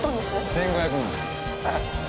１５００万えっ！？